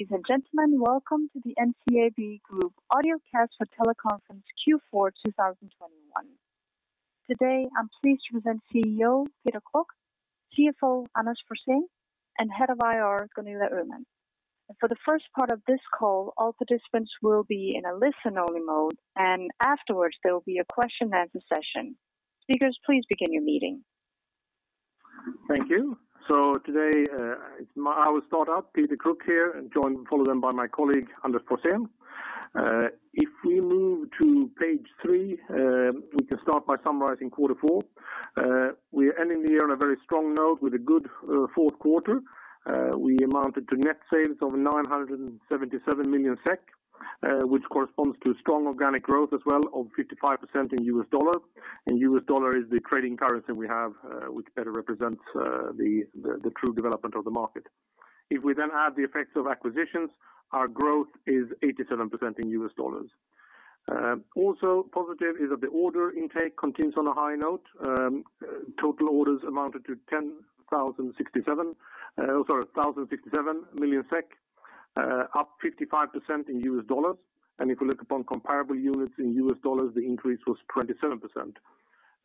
Ladies and gentlemen, welcome to the NCAB Group audiocast for teleconference Q4 2021. Today, I'm pleased to present CEO Peter Kruk, CFO Anders Forsén, and Head of IR Gunilla Öhman. For the first part of this call, all participants will be in a listen-only mode, and afterwards there will be a question and answer session. Thank you. Today, I will start up, Peter Kruk here, followed by my colleague, Anders Forsén. If we move to page three, we can start by summarizing Q4. We're ending the year on a very strong note with a good Q4. We amounted to net sales of 977 million SEK, which corresponds to strong organic growth as well of 55% in US dollar. US dollar is the trading currency we have, which better represents the true development of the market. If we then add the effects of acquisitions, our growth is 87% in US dollars. Also positive is that the order intake continues on a high note. Total orders amounted to 1,067 million SEK, up 55% in US dollars. If you look upon comparable units in US dollars, the increase was 27%.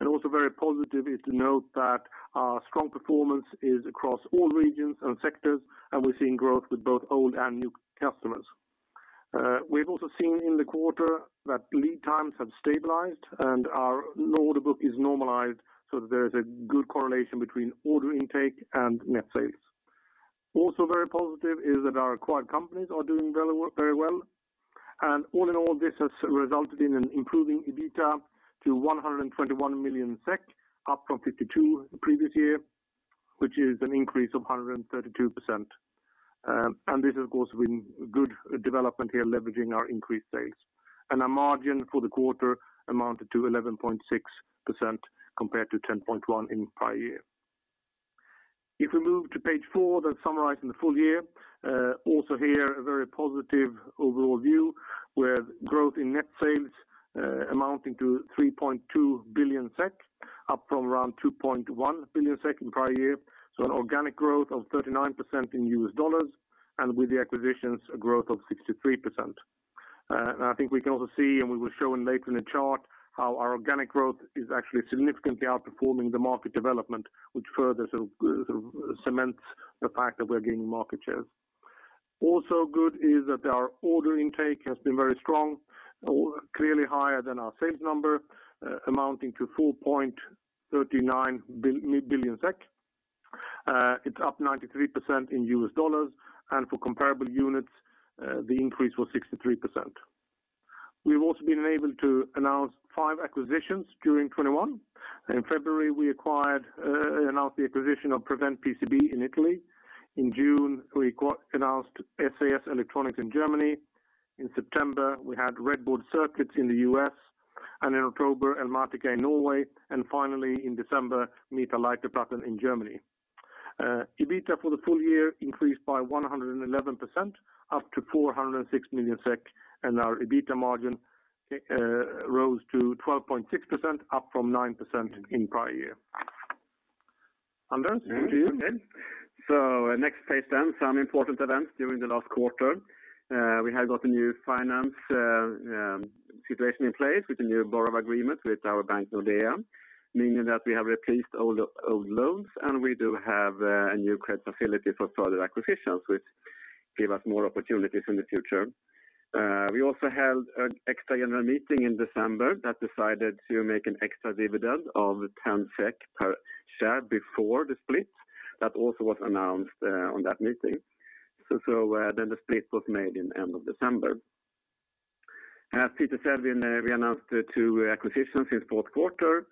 Also very positive is to note that our strong performance is across all regions and sectors, and we're seeing growth with both old and new customers. We've also seen in the quarter that lead times have stabilized and our order book is normalized so that there is a good correlation between order intake and net sales. Also very positive is that our acquired companies are doing well, very well. All in all, this has resulted in an improving EBITDA to 121 million SEK, up from 52 million the previous year, which is an increase of 132%. This of course has been good development here leveraging our increased sales. Our margin for the quarter amounted to 11.6% compared to 10.1% in prior year. If we move to page four, that summarizes the full year, also here a very positive overall view with growth in net sales amounting to 3.2 billion SEK, up from around 2.1 billion SEK in prior year. An organic growth of 39% in US dollars, and with the acquisitions, a growth of 63%. I think we can also see, and we will show later in the chart, how our organic growth is actually significantly outperforming the market development, which further sort of cements the fact that we're gaining market shares. Also good is that our order intake has been very strong or clearly higher than our sales number, amounting to 4.39 billion SEK. It's up 93% in US dollars, and for comparable units, the increase was 63%. We've also been able to announce five acquisitions during 2021. In February, we announced the acquisition of PreventPCB in Italy. In June, we announced Sas-electronics in Germany. In September, we had RedBoard Circuits in the U.S., and in October, Elmatica in Norway, and finally in December, META Leiterplatten in Germany. EBITDA for the full year increased by 111%, up to 406 million SEK, and our EBITDA margin rose to 12.6%, up from 9% in prior year. Anders, over to you again. Next page, then some important events during the last quarter. We have a new financial situation in place with a new borrowing agreement with our bank, Nordea, meaning that we have replaced all the old loans, and we do have a new credit facility for further acquisitions, which gives us more opportunities in the future. We also held an extra general meeting in December that decided to make an extra dividend of 10 SEK per share before the split. That also was announced on that meeting. The split was made at the end of December. As Peter said, we announced two acquisitions in Q4,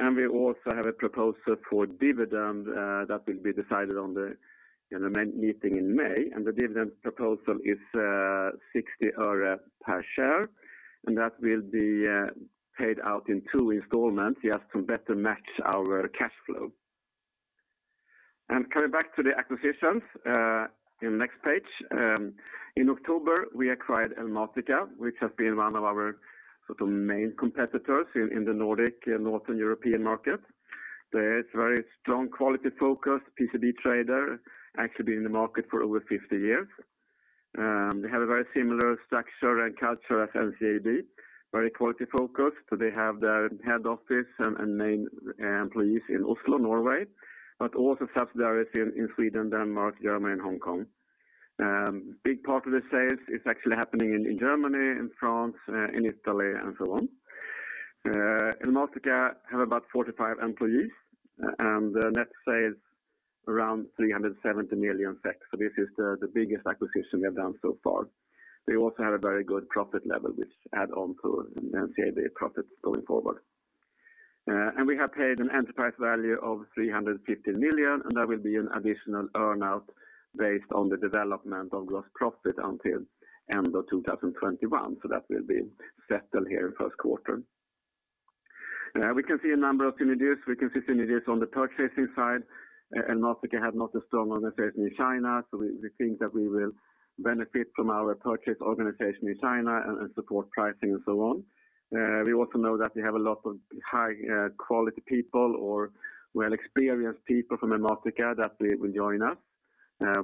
and we also have a proposal for dividend that will be decided at the main meeting in May the dividend proposal is 60 Öre per share, and that will be paid out in two installments, just to better match our cash flow. Coming back to the acquisitions, in the next page, in October, we acquired Elmatica, which has been one of our sort of main competitors in the Nordic and Northern European market. They're a very strong quality-focused PCB trader, actually been in the market for over 50 years. They have a very similar structure and culture as NCAB, very quality-focused. They have their head office and main employees in Oslo, Norway, but also subsidiaries in Sweden, Denmark, Germany, and Hong Kong. Big part of the sales is actually happening in Germany, in France, in Italy, and so on. Elmatica has about 45 employees and net sales around 370 million this is the biggest acquisition we have done so far. They also have a very good profit level which adds on to NCAB profits going forward. We have paid an enterprise value of 350 million, and there will be an additional earn-out based on the development of gross profit until end of 2021 that will be settled here in Q1. We can see a number of synergies we can see synergies on the purchasing side. Elmatica has not a strong organization in China, so we think that we will benefit from our purchase organization in China and support pricing and so on. We also know that we have a lot of high quality people or well-experienced people from Elmatica that will join us.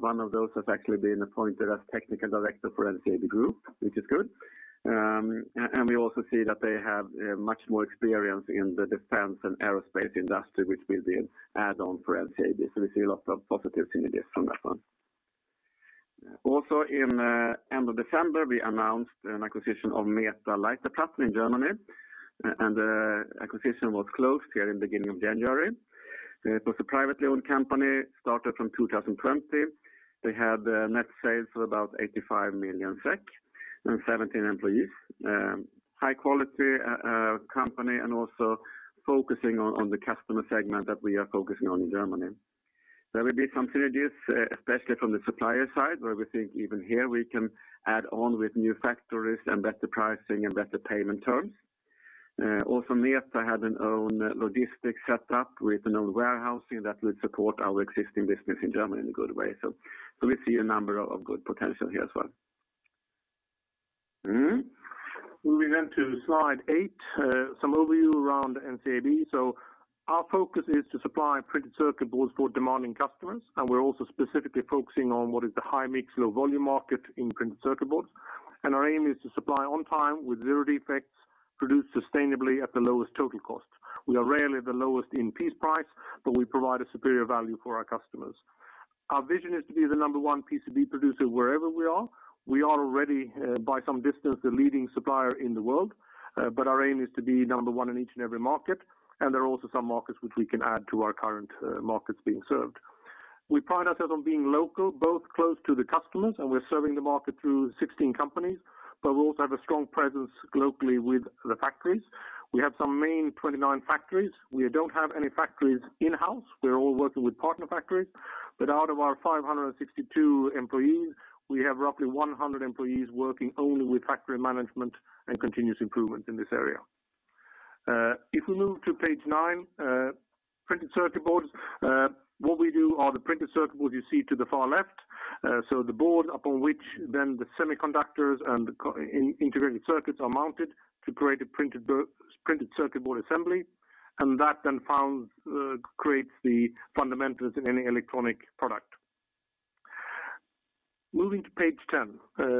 One of those has actually been appointed as technical director for NCAB Group, which is good. We also see that they have much more experience in the defense and aerospace industry, which will be an add-on for NCAB we see a lot of positive synergies from that one. Also in end of December, we announced an acquisition of META Leiterplatten in Germany. The acquisition was closed here in the beginning of January. It was a privately owned company, started from 2020. They had net sales of about 85 million SEK and 17 employees, high quality company and also focusing on the customer segment that we are focusing on in Germany. There will be some synergies, especially from the supplier side, where we think even here we can add on with new factories and better pricing and better payment terms. Also META had its own logistics set up with its own warehousing that will support our existing business in Germany in a good way. We see a number of good potential here as well. Moving to slide eight, some overview around NCAB. Our focus is to supply printed circuit boards for demanding customers, and we're also specifically focusing on what is the high-mix, low-volume market in printed circuit boards. Our aim is to supply on time with zero defects, produced sustainably at the lowest total cost. We are rarely the lowest in piece price, but we provide a superior value for our customers. Our vision is to be the number 1 PCB producer wherever we are. We are already, by some distance, the leading supplier in the world. Our aim is to be number 1 in each and every market, and there are also some markets which we can add to our current markets being served. We pride ourselves on being local, both close to the customers, and we're serving the market through 16 companies, but we also have a strong presence locally with the factories. We have some main 29 factories. We don't have any factories in-house. We're all working with partner factories. But out of our 562 employees, we have roughly 100 employees working only with factory management and continuous improvement in this area. If we move to page nine, printed circuit boards, what we do are the printed circuit boards you see to the far left. So the board upon which then the semiconductors and the integrated circuits are mounted to create a printed circuit board assembly. That then creates the fundamentals in any electronic product. Moving to page 10,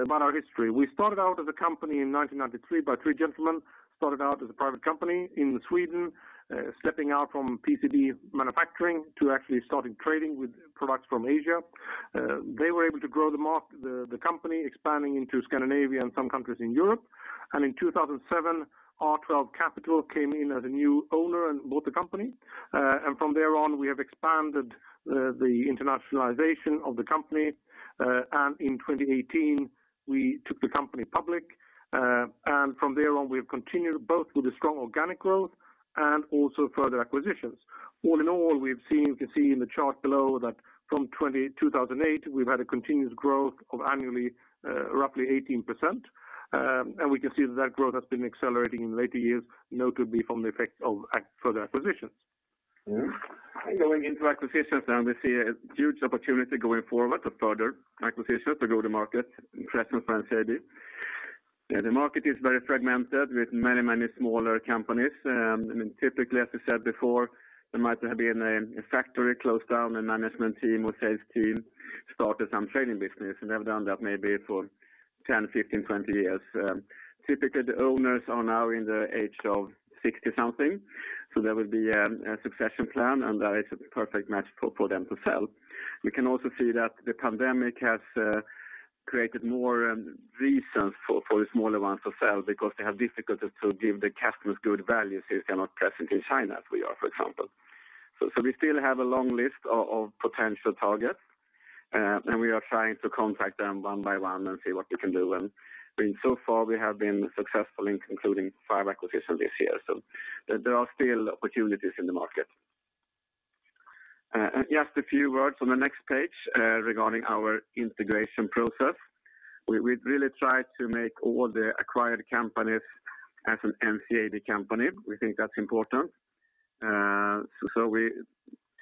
about our history we started out as a company in 1993 by three gentlemen, started out as a private company in Sweden, stepping out from PCB manufacturing to actually starting trading with products from Asia. They were able to grow the company expanding into Scandinavia and some countries in Europe. In 2007, R12 Kapital came in as a new owner and bought the company. From there on, we have expanded the internationalization of the company. In 2018, we took the company public. From there on, we have continued both with the strong organic growth and also further acquisitions. All in all, we've seen, you can see in the chart below that from 2008, we've had a continuous growth annually roughly 18%. We can see that growth has been accelerating in later years, notably from the effect of further acquisitions. Going into acquisitions now, we see a huge opportunity going forward for further acquisitions to grow the market presence for NCAB. The market is very fragmented with many smaller companies. I mean, typically, as we said before, there might have been a factory closed down, a management team or sales team started some trading business, and they've done that maybe for 10, 15, 20 years. Typically, the owners are now in the age of 60-something. There will be a succession plan, and that is a perfect match for them to sell. We can also see that the pandemic has created more reasons for the smaller ones to sell because they have difficulty to give the customers good value since they are not present in China as we are, for example. We still have a long list of potential targets? and we are trying to contact them one by one and see what we can do. I mean, so far we have been successful in concluding five acquisitions this year. There are still opportunities in the market. Just a few words on the next page regarding our integration process. We really try to make all the acquired companies as an NCAB company we think that's important. We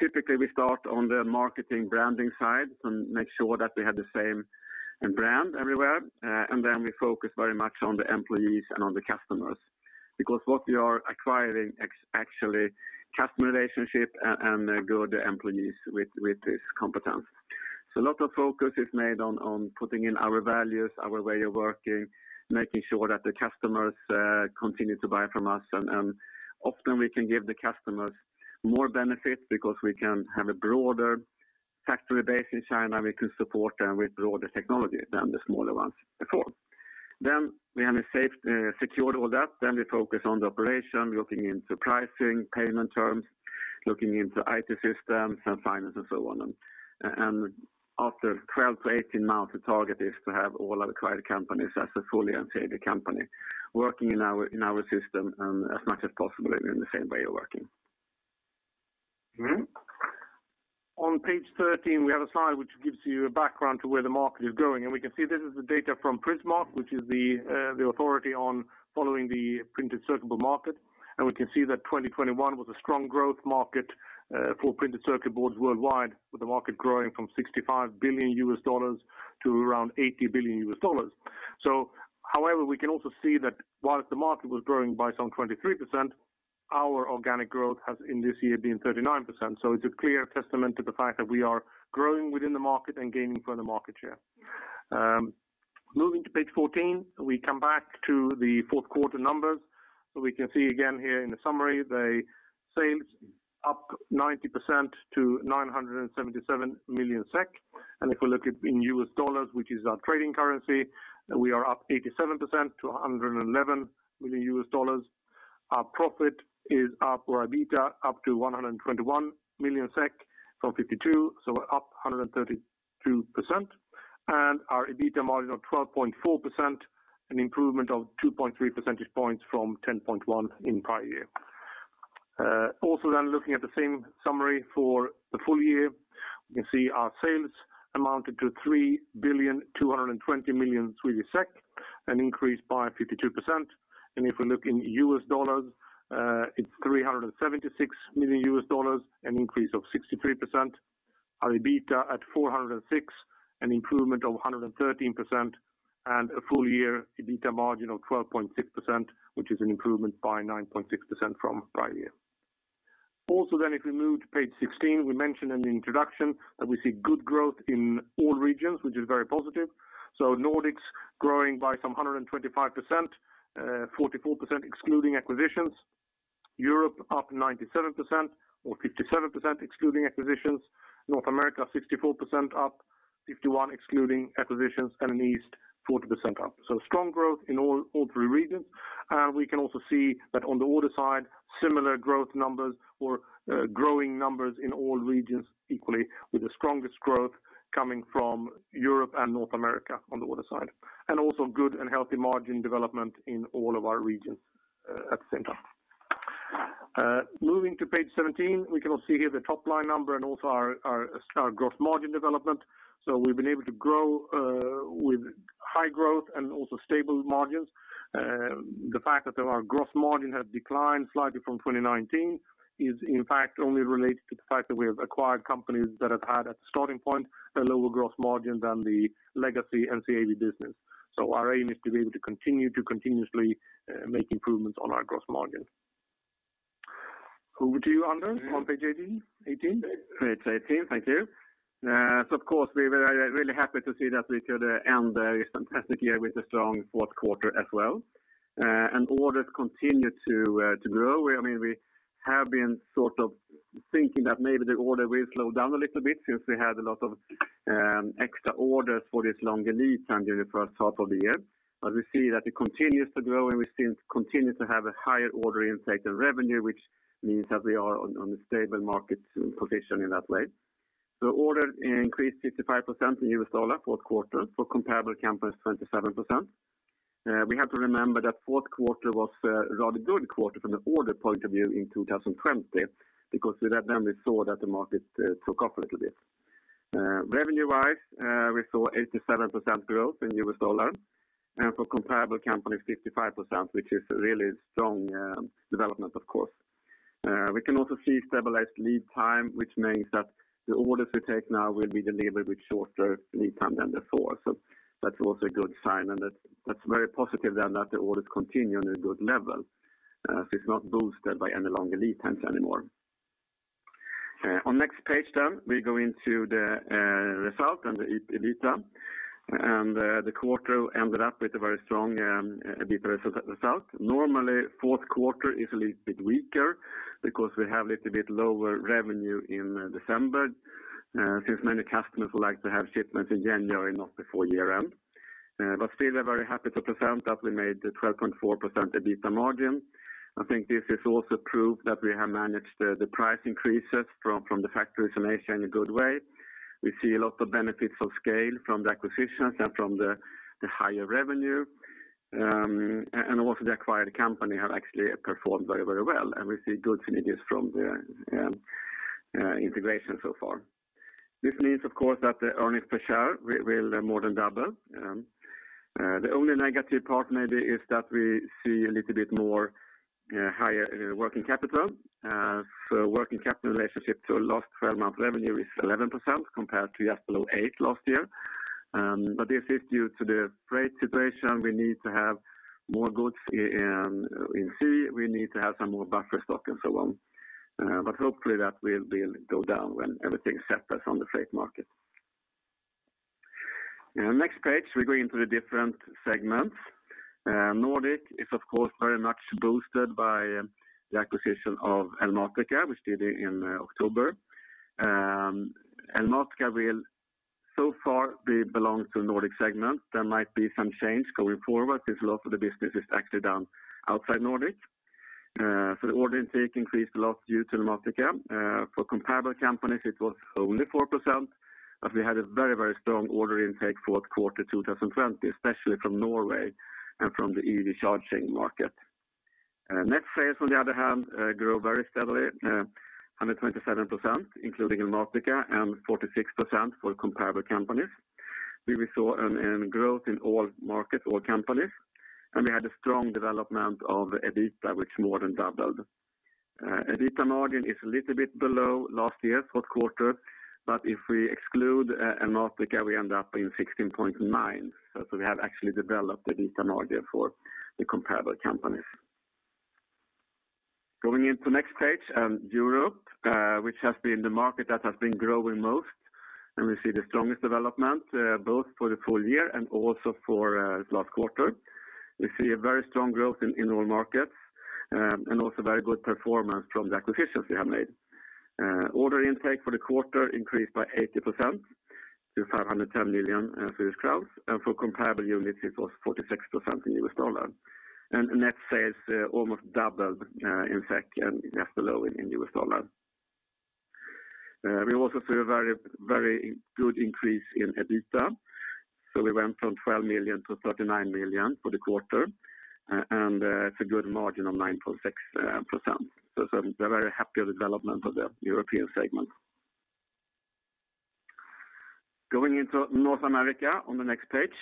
typically start on the marketing branding side and make sure that we have the same brand everywhere and then we focus very much on the employees and on the customers, because what we are acquiring actually customer relationship and good employees with this competence. A lot of focus is made on putting in our values, our way of working, making sure that the customers continue to buy from us. Often we can give the customers more benefits because we can have a broader factory base in China we can support them with broader technology than the smaller ones before. We have safely secured all that we focus on the operation, looking into pricing, payment terms, looking into IT systems and finance and so on. After 12 to 18 months, the target is to have all acquired companies as a fully NCAB company working in our system and as much as possible in the same way of working. On page 13, we have a slide which gives you a background to where the market is going we can see this is the data from Prismark, which is the authority on following the printed circuit board market. We can see that 2021 was a strong growth market for printed circuit boards worldwide, with the market growing from $65 billion to around $80 billion. However, we can also see that while the market was growing by some 23%, our organic growth has in this year been 39% it's a clear testament to the fact that we are growing within the market and gaining further market share. Moving to page 14, we come back to the Q4 numbers. We can see again here in the summary, the sales up 90% to 977 million SEK. If we look at in US dollars, which is our trading currency, we are up 87% to $111 million. Our EBITDA up to 121 million SEK from 52 million, so up 132%. Our EBITDA margin of 12.4%, an improvement of 2.3 percentage points from 10.1% in prior year. Also, looking at the same summary for the full year, we can see our sales amounted to 3.22 billion Swedish SEK, an increase by 52%. If we look in US dollars, it's $376 million, an increase of 63%. Our EBITDA at 406, an improvement of 113%, and a full year EBITDA margin of 12.6%, which is an improvement by 9.6% from prior year. If we move to page 16, we mentioned in the introduction that we see good growth in all regions, which is very positive. Nordics growing by some 125%, 44% excluding acquisitions. Europe up 97% or 57% excluding acquisitions. North America, 64% up, 51% excluding acquisitions, and in East, 40% up strong growth in all three regions. We can also see that on the order side, similar growth numbers or growing numbers in all regions equally, with the strongest growth coming from Europe and North America on the order side, and also good and healthy margin development in all of our regions at the same time. Moving to page 17, we can all see here the top line number and also our growth margin development. We've been able to grow with high growth and also stable margins. The fact that our growth margin has declined slightly from 2019 is in fact only related to the fact that we have acquired companies that have had a starting point, a lower growth margin than the legacy NCAB business. Our aim is to be able to continue to continuously make improvements on our growth margin. Over to you, Anders Forsén, on page 18. 18? Page 18. Thank you. Of course, we were really happy to see that we could end a fantastic year with a strong Q4 as well. Orders continue to grow i mean, we have been sort of thinking that maybe the orders will slow down a little bit since we had a lot of extra orders for this longer lead time during the first half of the year. We see that it continues to grow, and we seem to continue to have a higher order intake than revenue, which means that we are on a stable market position in that way. Orders increased 55% in US dollar, Q4 for comparable companies, 27%. We have to remember that Q4 was a rather good quarter from the order point of view in 2020 because with that we saw that the market took off a little bit. Revenue-wise, we saw 87% growth in U.S. dollar. For comparable companies, 55%, which is really strong development of course. We can also see stabilized lead time, which means that the orders we take now will be delivered with shorter lead time than before that was a good sign, and that's very positive that the orders continue on a good level, so it's not boosted by any longer lead times anymore. On next page, we go into the result and the EBITDA, and the quarter ended up with a very strong EBITDA result normally, Q4 is a little bit weaker because we have little bit lower revenue in December, since many customers would like to have shipments in January, not before year-end. Still, we're very happy to present that we made the 12.4% EBITDA margin. I think this is also proof that we have managed the price increases from the factories in Asia in a good way. We see a lot of benefits of scale from the acquisitions and from the higher revenue. Also the acquired company have actually performed very well, and we see good synergies from the integration so far. This means, of course, that the earnings per share will more than double. The only negative part maybe is that we see a little bit more higher working capital. Working capital relationship to last 12-month revenue is 11% compared to just below 8% last year. This is due to the freight situation we need to have more goods in sea we need to have some more buffer stock and so on. Hopefully that will go down when everything settles on the freight market. Next page, we go into the different segments. Nordic is of course very much boosted by the acquisition of Elmatica, which we did in October. Elmatica will so far be belonged to Nordic segment there might be some change going forward since a lot of the business is actually done outside Nordic. The order intake increased a lot due to Elmatica. For comparable companies, it was only 4%, but we had a very, very strong order intake Q4 2020, especially from Norway and from the EV charging market. Net sales, on the other hand, grew very steadily, 127%, including Elmatica, and 46% for comparable companies. We saw growth in all markets, all countries, and we had a strong development of EBITDA, which more than doubled. EBITDA margin is a little bit below last year's Q4, but if we exclude Elmatica, we end up in 16.9%. We have actually developed EBITDA margin for the comparable companies. Going into next page, Europe, which has been the market that has been growing most, and we see the strongest development, both for the full year and also for last quarter. We see a very strong growth in all markets and also very good performance from the acquisitions we have made. Order intake for the quarter increased by 80% to 510 million for comparable units, it was 46% in U.S. dollar. Net sales almost doubled, in fact, and just below in U.S. dollar. We also see a very good increase in EBITDA. We went from 12 to 39 million for the quarter. It is a good margin of 9.6%. We're very happy with development of the European segment. Going into North America on the next page.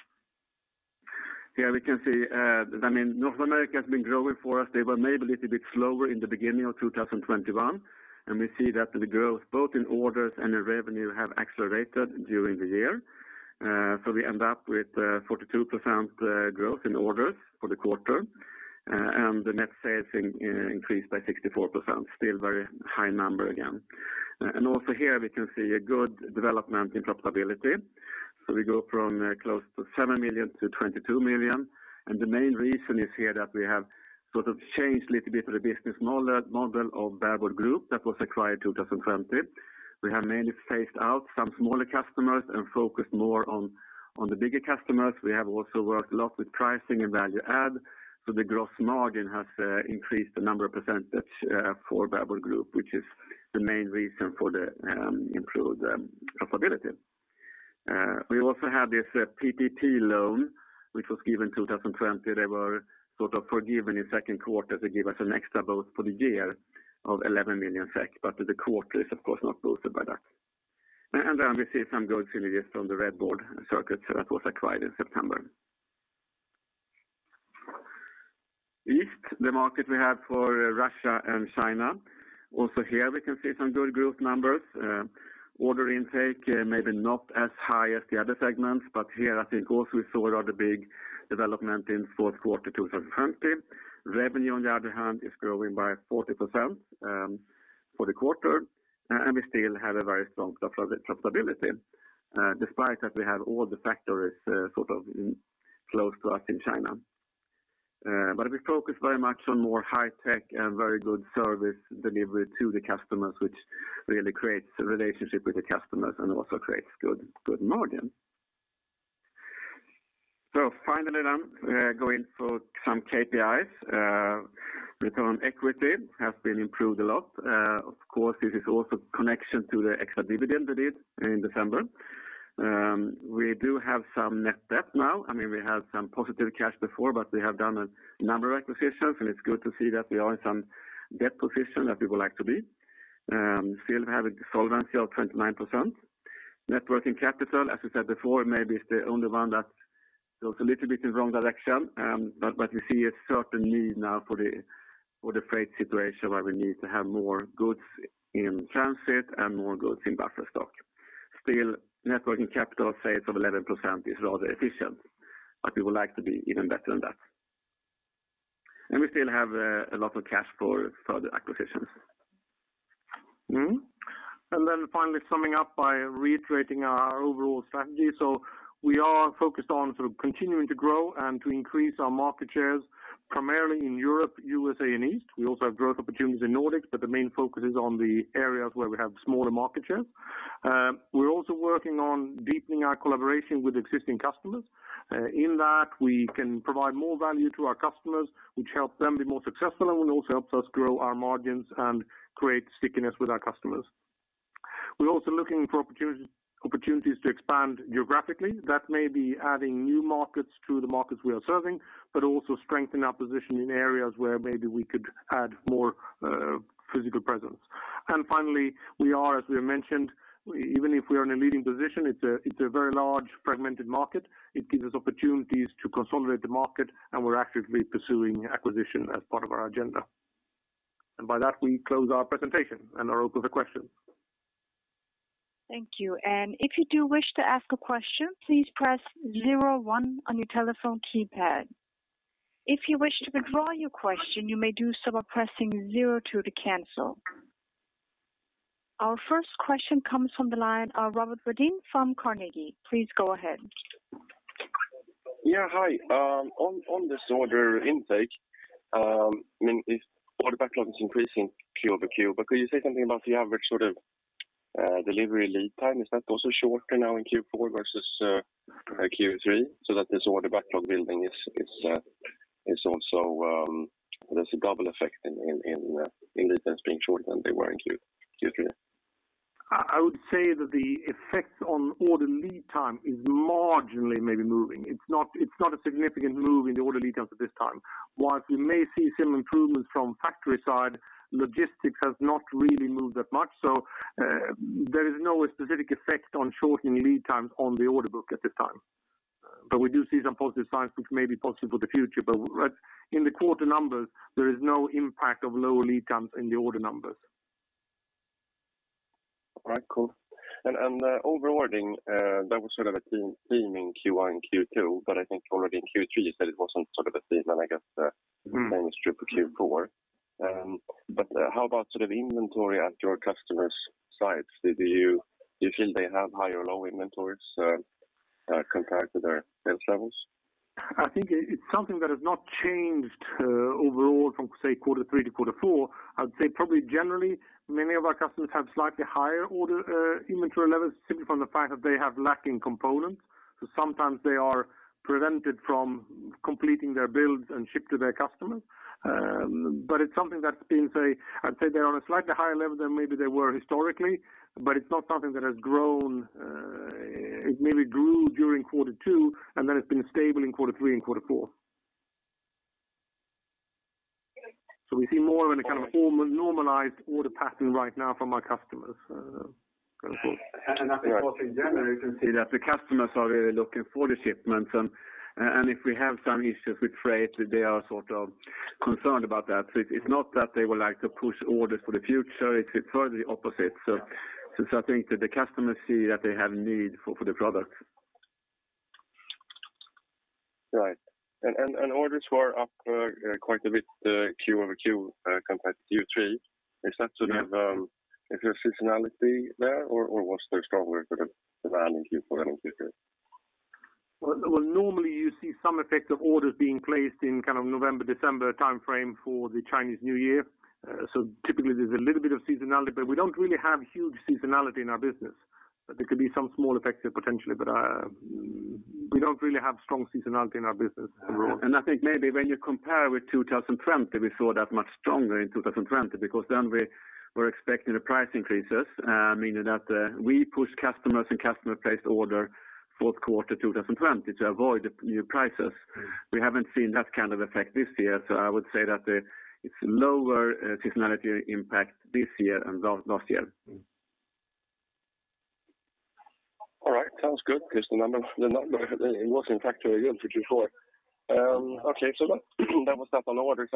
Here we can see, I mean, North America has been growing for us they were maybe a little bit slower in the beginning of 2021, and we see that the growth, both in orders and in revenue, have accelerated during the year. We end up with 42% growth in orders for the quarter. The net sales increased by 64% still very high number again. We can see a good development in profitability. We go from close to 7 to 22 million. The main reason is here that we have sort of changed little bit of the business model of Bare Board Group that was acquired 2020. We have mainly phased out some smaller customers and focused more on the bigger customers we have also worked a lot with pricing and value add, so the gross margin has increased a number of percentage points for NCAB Group, which is the main reason for the improved profitability. We also have this PPP loan, which was given 2020 they were sort of forgiven in Q2 to give us an extra boost for the year of 11 million SEK, but the quarter is of course not boosted by that. We see some good synergies from the RedBoard Circuits that was acquired in September. In the East, the market we have for Russia and China. Also here we can see some good growth numbers. Order intake maybe not as high as the other segments, but here I think also we saw a rather big development in Q4 2020. Revenue, on the other hand, is growing by 40% for the quarter, and we still have a very strong profitability despite that we have all the factories sort of close to us in China. We focus very much on more high tech and very good service delivery to the customers, which really creates a relationship with the customers and also creates good margin. Finally, going through some KPIs. Return on equity has been improved a lot. Of course, this is also connected to the extra dividend we did in December. We do have some net debt now i mean, we had some positive cash before, but we have done a number of acquisitions, and it's good to see that we are in some debt position that we would like to be. Still have a solvency of 29%. Net working capital, as we said before, maybe it's the only one that goes a little bit in the wrong direction. But we see a certain need now for the freight situation where we need to have more goods in transit and more goods in buffer stock. Still, net working capital of sales of 11% is rather efficient, but we would like to be even better than that. We still have a lot of cash for further acquisitions. Finally summing up by reiterating our overall strategy. We are focused on sort of continuing to grow and to increase our market shares, primarily in Europe, USA, and East we also have growth opportunities in Nordics, but the main focus is on the areas where we have smaller market shares. We're also working on deepening our collaboration with existing customers. In that we can provide more value to our customers, which helps them be more successful and will also helps us grow our margins and create stickiness with our customers. We're also looking for opportunities to expand geographically that may be adding new markets to the markets we are serving, but also strengthen our position in areas where maybe we could add more physical presence. Finally, we are, as we mentioned, even if we are in a leading position, it's a very large fragmented market. It gives us opportunities to consolidate the market, and we're actively pursuing acquisition as part of our agenda. By that, we close our presentation and are open for questions. Our first question comes from the line of Robert Redin from Carnegie. Please go ahead. Yeah. Hi. On this order intake, I mean, if order backlog is increasing Q-over-Q, but could you say something about the average sort of delivery lead time? Is that also shorter now in Q4 versus Q3 so that this order backlog building is also there's a double effect in lead times being shorter than they were in Q3? I would say that the effect on order lead time is marginally maybe moving. It's not a significant move in the order lead times at this time. While we may see some improvements from factory side, logistics has not really moved that much. There is no specific effect on shortening lead times on the order book at this time. We do see some positive signs which may be possible for the future. In the quarter numbers, there is no impact of lower lead times in the order numbers. Right, cool. Overall ordering, that was sort of a theme in Q1 and Q2, but I think already in Q3 that it wasn't sort of a theme, and I guess, the same as triple Q4. How about sort of inventory at your customers' sites? Do you feel they have higher or lower inventories compared to their sales levels? It's something that has not changed overall from, say, Q3 to Q4. I would say probably generally many of our customers have slightly higher order inventory levels simply from the fact that they have lacking components. Sometimes they are prevented from completing their builds and ship to their customers. But it's something that's been. I'd say they're on a slightly higher level than maybe they were historically, but it's not something that has grown. It maybe grew during Q2, and then it's been stable in Q3 and Q4. We see more of a kind of normalized order pattern right now from our customers, kind of thought. Of course in general, you can see that the customers are really looking for the shipments and if we have some issues with freight, they are sort of concerned about that. It's not that they would like to push orders for the future, it's rather the opposite. Since I think that the customers see that they have need for the product. Right. Orders were up quite a bit, Q-over-Q, compared to Q3. Is there a seasonality there or was there stronger sort of demand in Q4 than in Q3? Well, normally you see some effect of orders being placed in kind of November, December timeframe for the Chinese New Year. Typically there's a little bit of seasonality, but we don't really have huge seasonality in our business. There could be some small effects there potentially, but we don't really have strong seasonality in our business overall. I think maybe when you compare with 2020, we saw that much stronger in 2020 because then we were expecting the price increases, meaning that we pushed customers and customers placed orders Q4 2020 to avoid the new prices. We haven't seen that kind of effect this year i would say that it's lower seasonality impact this year than last year. All right sounds good because the number it was in fact very good for Q4. Okay that was that on orders.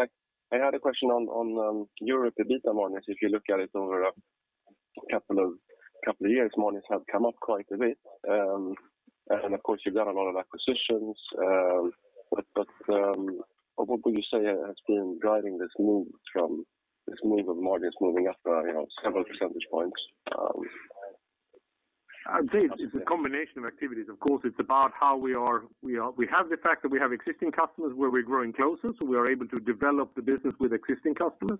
I had a question on Europe EBITDA margins if you look at it over a couple of years, margins have come up quite a bit. Of course, you've done a lot of acquisitions. What would you say has been driving this move of margins moving up by, you know, several percentage points? I think it's a combination of activities of course, it's about how we are. We have the fact that we have existing customers where we're growing closer, so we are able to develop the business with existing customers.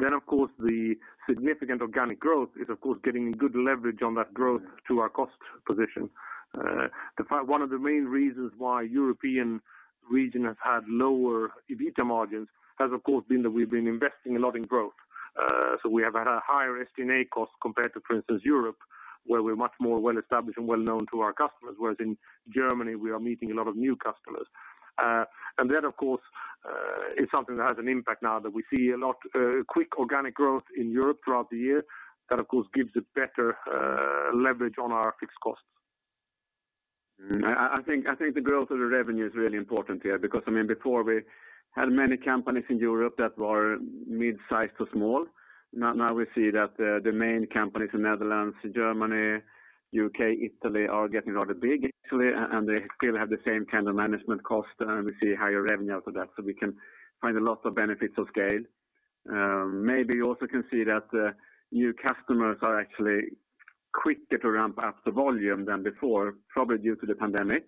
Of course, the significant organic growth is of course giving good leverage on that growth to our cost position. In fact one of the main reasons why European region has had lower EBITDA margins has of course been that we've been investing a lot in growth. We have had a higher SG&A cost compared to, for instance, Europe, where we're much more well established and well known to our customers, whereas in Germany we are meeting a lot of new customers. It's something that has an impact now that we see a lot quick organic growth in Europe throughout the year. That of course gives a better leverage on our fixed costs. I think the growth of the revenue is really important here because, I mean, before we had many companies in Europe that were mid-sized to small. Now we see that the main companies in Netherlands, Germany, U.K., Italy are getting rather big actually, and they still have the same kind of management cost, and we see higher revenue after that we can find a lot of benefits of scale. Maybe you also can see that the new customers are actually quicker to ramp up the volume than before, probably due to the pandemic.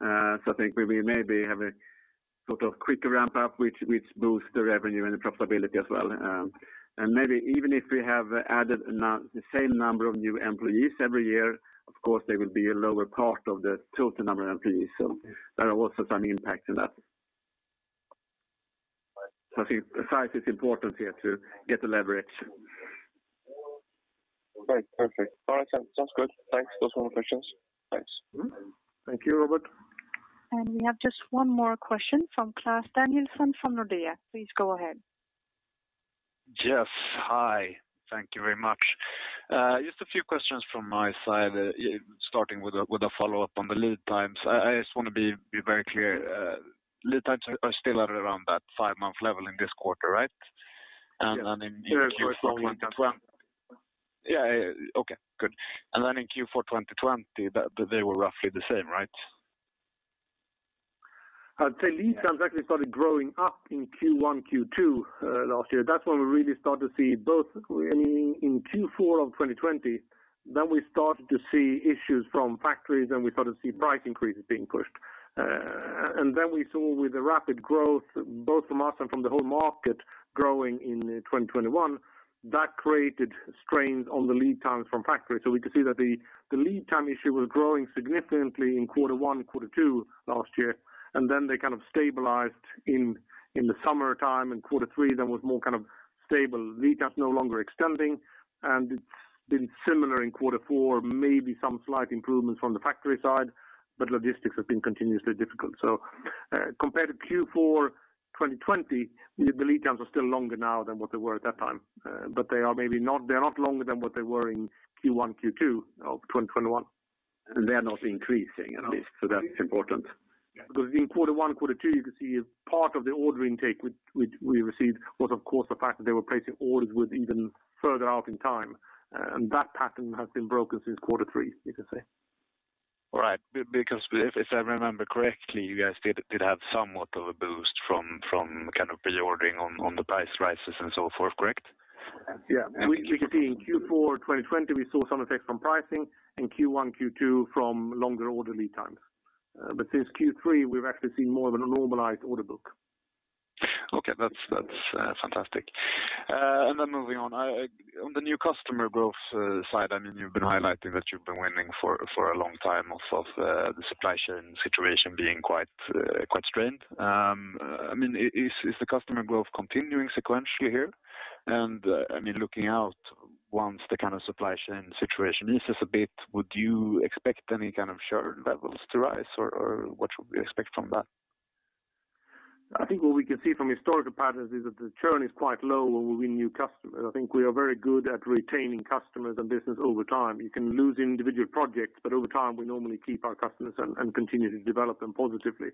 I think we maybe have a sort of quicker ramp up which boosts the revenue and the profitability as well. Maybe even if we have added the same number of new employees every year, of course there will be a lower part of the total number of employees. There are also some impacts in that. I think the size is important here to get the leverage. Right. Perfect. All right. Sounds good thanks those were all questions. Thanks. Thank you, Robert. We have just one more question from Klas Danielsson from Nordea. Please go ahead. Yes. Hi. Thank you very much. Just a few questions from my side, starting with a follow-up on the lead times i just want to be very clear. Lead times are still at around that five-month level in this quarter, right? Then in Q4 twenty- Yes. [unintelligible] Yeah. Okay, good. In Q4 2020, they were roughly the same, right? I'd say lead times actually started growing up in Q1, Q2, last year that's when we really started to see both i mean, in Q4 of 2020, then we started to see issues from factories, and we started to see price increases being pushed. And then we saw with the rapid growth both from us and from the whole market growing in 2021, that created strains on the lead times from factories we could see that the lead time issue was growing significantly in Q1, Q2 last year. Then they kind of stabilized in the summertime in Q3, there was more kind of stable lead times no longer extending, and it's been similar in Q4, maybe some slight improvements from the factory side, but logistics have been continuously difficult. Compared to Q4 2020, the lead times are still longer now than what they were at that time. They're not longer than what they were in Q1, Q2 of 2021. They are not increasing at least, so that's important. Because in Q1, Q2, you can see part of the ordering intake which we received was of course the fact that they were placing orders with even further out in time. That pattern has been broken since Q3, you could say. All right. Because if I remember correctly, you guys did have somewhat of a boost from kind of reordering on the price rises and so forth, correct? Yeah we could see in Q4 2020 we saw some effects from pricing, in Q1, Q2 from longer order lead times. But since Q3 we've actually seen more of a normalized order book. Okay. That's fantastic. Moving on. On the new customer growth side, I mean, you've been highlighting that you've been winning for a long time in light of the supply chain situation being quite strained. Is the customer growth continuing sequentially here? I mean, looking out once the kind of supply chain situation eases a bit, would you expect any kind of churn levels to rise, or what should we expect from that? I think what we can see from historical patterns is that the churn is quite low when we win new customers i think we are very good at retaining customers and business over time and you can lose individual projects, but over time, we normally keep our customers and continue to develop them positively.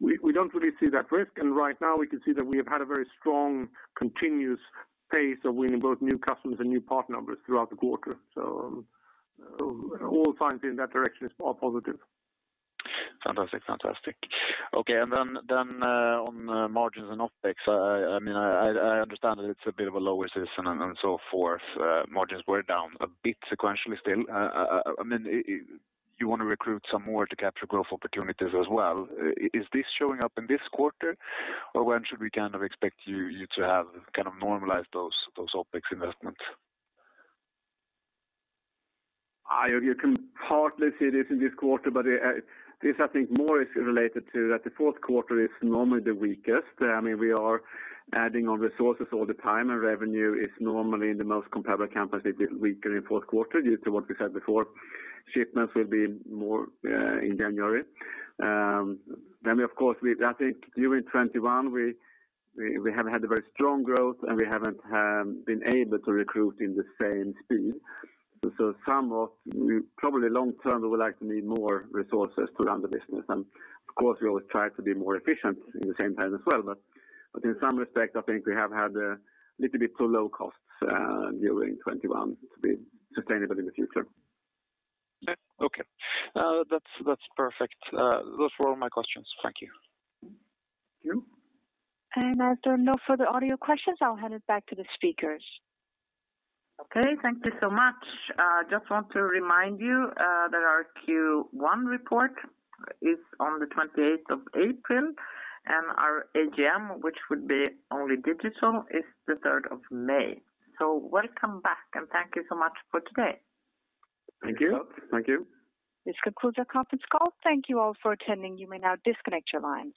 We don't really see that risk, and right now we can see that we have had a very strong continuous pace of winning both new customers and new part numbers throughout the quarter. All signs in that direction are positive. Fantastic okay. Then on margins and OpEx, I mean, I understand that it's a bit of a lower season and so forth. Margins were down a bit sequentially still. I mean, you want to recruit some more to capture growth opportunities as well. Is this showing up in this quarter? or when should we kind of expect you to have kind of normalized those OpEx investments? You can partly see this in this quarter, but this I think more is related to that the Q4 is normally the weakest. I mean, we are adding on resources all the time, and revenue is normally in the most comparable capacity, weaker in Q4 due to what we said before. Shipments will be more in January. We, of course, I think during 2021, we have had a very strong growth and we haven't been able to recruit in the same speed. Probably long term, we would like to need more resources to run the business. Of course, we always try to be more efficient at the same time as well. In some respect I think we have had a little bit too low costs during 2021 to be sustainable in the future. Okay. That's perfect. Those were all my questions. Thank you. Thank you. As there are no further audio questions, I'll hand it back to the speakers. Okay. Thank you so much. I just want to remind you that our Q1 report is on the 28 April, and our AGM, which would be only digital, is the 3 May. Welcome back, and thank you so much for today. Thank you. Thank you. This concludes our conference call. Thank you all for attending you may now disconnect your lines.